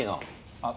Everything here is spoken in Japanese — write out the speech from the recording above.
あっ。